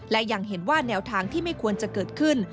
และยังเห็นว่าแนวทางที่ไม่ควรจะเกิดขึ้น